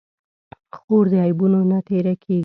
خور د عیبونو نه تېره کېږي.